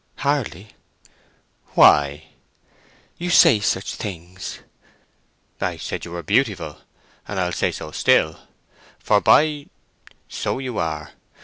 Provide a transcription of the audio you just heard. "Hardly." "Why?" "You say such things." "I said you were beautiful, and I'll say so still; for, by G—— so you are!